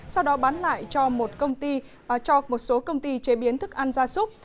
sau đó bán lại cho một số công ty chế biến thức ăn gia súc